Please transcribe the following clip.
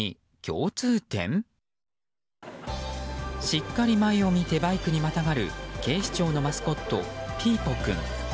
しっかり前を見てバイクにまたがる警視庁のマスコットピーポくん。